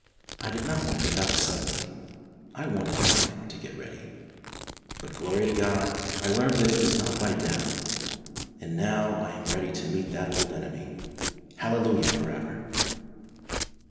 I did not want to die suddenly; I wanted time to get ready. But, glory to God, I learned that it is not by death, and now I am ready to meet that old enemy. Hallelujah for ever